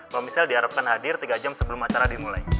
mbak michelle diharapkan hadir tiga jam sebelum acara dimulai